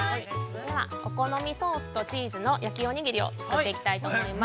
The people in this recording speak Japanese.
では、お好みソースとチーズの焼きおにぎりを作っていきたいと思います。